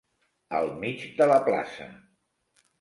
Al mig de la plaça.